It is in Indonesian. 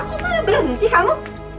kok malah berhenti kamu